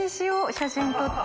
写真撮って。